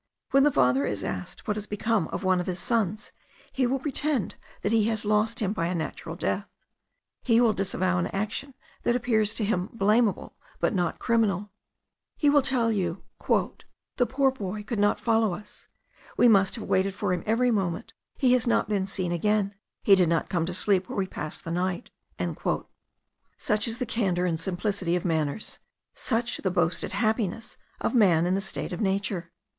When the father is asked what is become of one of his sons, he will pretend that he has lost him by a natural death. He will disavow an action that appears to him blameable, but not criminal. "The poor boy," he will tell you, "could not follow us; we must have waited for him every moment; he has not been seen again; he did not come to sleep where we passed the night." Such is the candour and simplicity of manners such the boasted happiness of man in the state of nature!